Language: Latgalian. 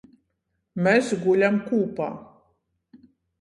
Mes guļam kūpā...